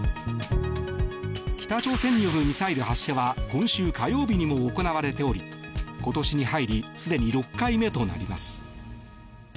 北朝鮮によるミサイル発射は今週火曜日にも行われており今年に入りすでに６回目となります。